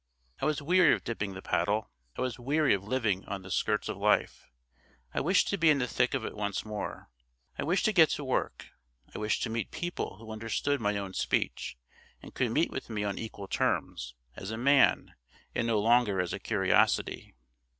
I was weary of dipping the paddle; I was weary of living on the skirts of life; I wished to be in the thick of it once more; I wished to get to work; I wished to meet people who understood my own speech, and could meet with me on equal terms, as a man, and no longer as a curiosity.